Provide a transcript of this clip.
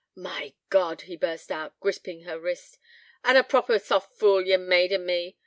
'My God!' he burst out, gripping her wrist, 'an' a proper soft fool ye've made o' me.